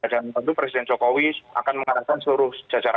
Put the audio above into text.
dan tentu presiden jokowi akan mengarahkan seluruh negara